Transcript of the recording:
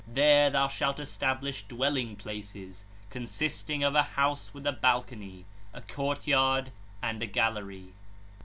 There thou shalt establish dwelling places, consisting of a house with a balcony, a courtyard, and a gallery 2.